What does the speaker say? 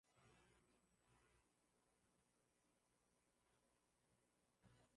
inajulikana na manyoya yake ya rangi ya kijani